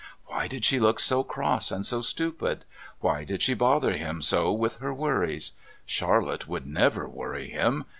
Why did she look so cross and so stupid? Why did she bother him so with her worries? Charlotte would never worry him.